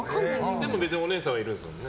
でも別にお姉さんはいるんですよね。